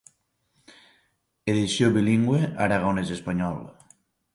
Edició bilingüe aragonès-espanyol.